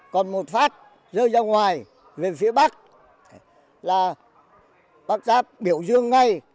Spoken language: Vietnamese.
còn một phát rơi ra ngoài về phía bắc là bác giáp biểu dương ngay